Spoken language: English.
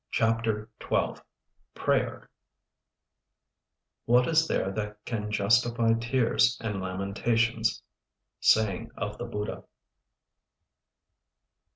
CHAPTER XII PRAYER 'What is there that can justify tears and lamentations?' _Saying of the Buddha.